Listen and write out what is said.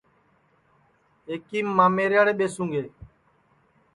ایکیم مامیریاڑے ٻیسوں گے